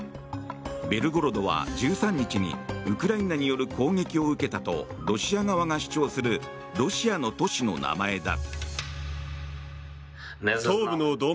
ベルゴロドは１３日にウクライナによる攻撃を受けたとロシア側が主張するロシアの都市の名前だ。